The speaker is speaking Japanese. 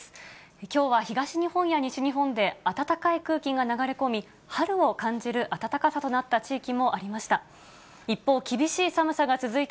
きょうは東日本や西日本で暖かい空気が流れ込み、春を感じる暖かさとなった地域もありました。